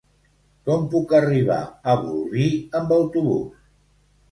Com puc arribar a Bolvir amb autobús?